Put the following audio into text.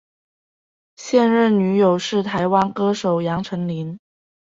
现任女友是台湾歌手杨丞琳。